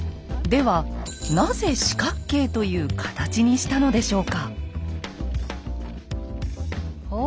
ではなぜ四角形という形にしたのでしょうか？